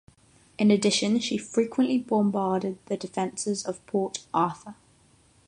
In addition she frequently bombarded the defenses of Port Arthur.